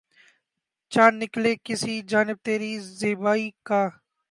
چاند نکلے کسی جانب تری زیبائی کا